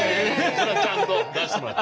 それはちゃんと出してもらって。